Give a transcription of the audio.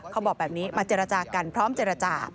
เขาบอกแบบนี้มาเจรจากันพร้อมเจรจา